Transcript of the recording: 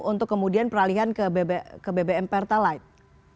untuk kemudian peralihan ke bbm pertalite